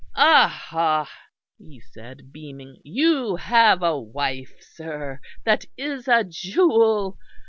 "Aha!" he said, beaming, "You have a wife, sir, that is a jewel.